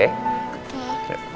sholat subuh yuk